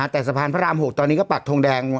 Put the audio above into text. แต่สะพานพระราม๖ตอนนี้ก็ปักทงแดง